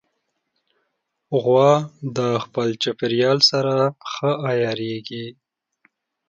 غوا د خپل چاپېریال سره ښه عیارېږي.